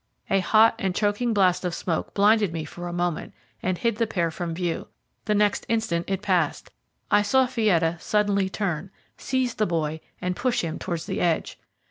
A hot and choking blast of smoke blinded me for a moment, and hid the pair from view; the next instant it passed. I saw Fietta suddenly turn, seize the boy, and push him towards the edge.